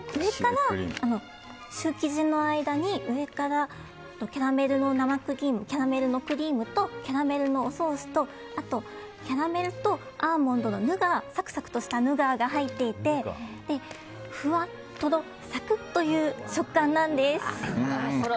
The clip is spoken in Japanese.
シュー生地の間に上からキャラメルのクリームとキャラメルのソースとキャラメルのアーモンドのサクサクとしたヌガーが入っていてフワッ、とろっ、サクッという食感なんです。